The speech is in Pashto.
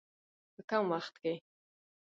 په کم وخت کې.